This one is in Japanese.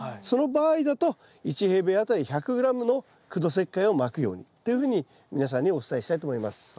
その場合だと１平米あたり１００ｇの苦土石灰をまくようにっていうふうに皆さんにお伝えしたいと思います。